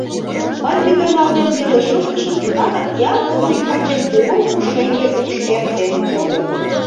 Мый пӱгырналтен веле шуктышым, тунамак ялт вуй ӱмбачем кугу пушеҥге укш эртен кодо.